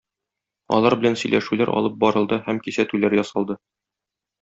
Алар белән сөйләшүләр алып барылды һәм кисәтүләр ясалды.